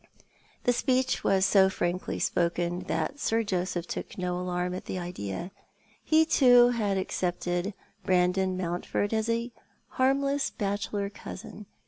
The speech was so frankly spoken that Sir Jo?eph took no alarm at the idea. He, too, had accepted Brandon Mountford as a harmless bachelor cousin.